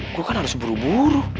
gue kan harus buru buru